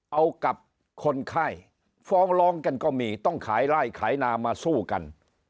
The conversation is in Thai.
เอากับคนไข้ฟ้องร้องกันก็มีต้องขายไล่ขายนามาสู้กัน